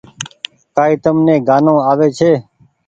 ڪآئي تم ني گآنو آوي ڇي۔